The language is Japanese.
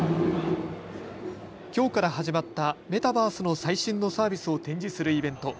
きょうから始まったメタバースの最新のサービスを展示するイベント。